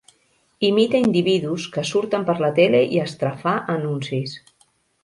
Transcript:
Imita individus que surten per la tele i estrafà anuncis.